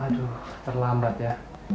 aduh terlambat ya